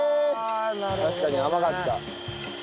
確かに甘かった。